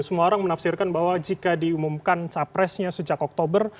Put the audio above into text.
semua orang menafsirkan bahwa jika diumumkan capresnya sejak oktober